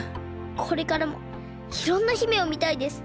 これからもいろんな姫をみたいです。